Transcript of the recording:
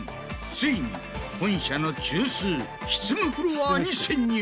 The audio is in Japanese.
ついに本社の中枢執務フロアに潜入。